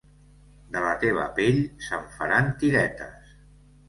De la teva pell se'n faran tiretes.